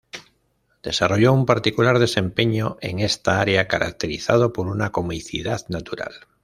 Desarrolló un particular desempeño en esta área caracterizado por una comicidad natural.